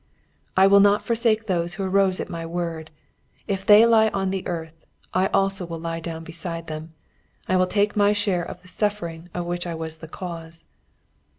"I will not forsake those who arose at my word. If they lie on the earth, I also will lie down beside them. I will take my share of the suffering of which I was the cause."